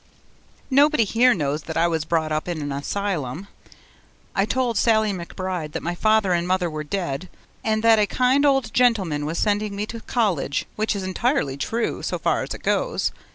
Nobody here knows that I was brought up in an asylum. I told Sallie McBride that my mother and father were dead, and that a kind old gentleman was sending me to college which is entirely true so far as it goes.